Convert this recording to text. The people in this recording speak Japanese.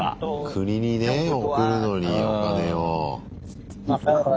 国にね送るのにお金を。